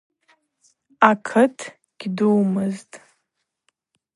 Акыт гьдумызтӏ.